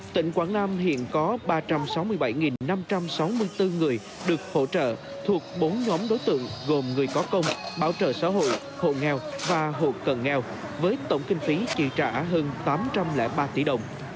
tỉnh quảng nam hiện có ba trăm sáu mươi bảy năm trăm sáu mươi bốn người được hỗ trợ thuộc bốn nhóm đối tượng gồm người có công bảo trợ xã hội hộ nghèo và hộ cận nghèo với tổng kinh phí trị trả hơn tám trăm linh ba tỷ đồng